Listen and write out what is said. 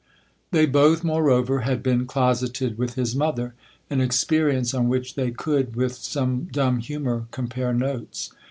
They both, moreover, had been closeted THE OTHER HOUSE 233 with his mother an experience on which they could, with some dumb humour, compare notes.